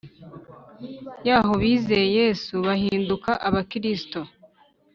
Yaho bizeye yesu bahinduka abakristo